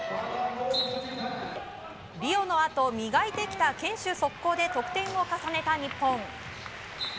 リオのあと磨いてきた堅守速攻で得点を重ねた日本。